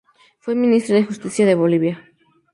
Fue ministra de justicia de Bolivia.